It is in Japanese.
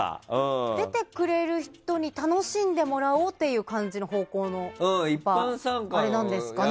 出てくれる人に楽しんでもらおうという感じの方向のあれなんですかね。